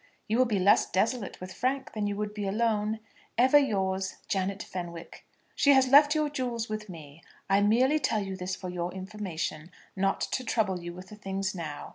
You will be less desolate with Frank than you would be alone. Ever yours, JANET FENWICK. She has left your jewels with me. I merely tell you this for your information; not to trouble you with the things now.